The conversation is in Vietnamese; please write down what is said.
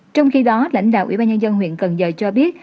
trong khi đó lãnh đạo ủy ban nhân dân huyện cần giờ cho biết